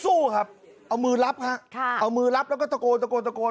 สู้ครับเอามือรับฮะเอามือรับแล้วก็ตะโกนตะโกนตะโกน